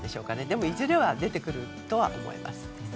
でも、いずれは出てくるとは思います。